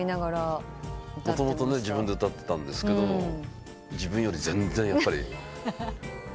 もともと自分で歌ってたんですけど自分より全然やっぱり。